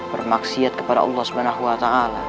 bermaksiat kepada allah swt